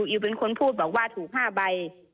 อิวเป็นคนพูดบอกว่าถูก๕ใบ